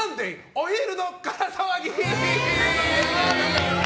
お昼のから騒ぎ。